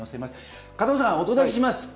加藤さん、お届けします。